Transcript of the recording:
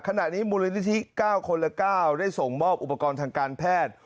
ขณะนี้มูลนิธิ๙คนละ๙ได้ส่งมอบอุปกรณ์ทางการแพทย์